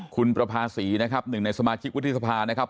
คุณประภาษีนะครับหนึ่งในสมาชิกวุฒิสภานะครับ